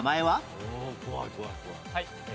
はい。